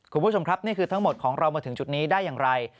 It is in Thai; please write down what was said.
คุณผู้ชมครับนี่คือทั้งหมดของเรามาถึงจุดนี้ได้อย่างไร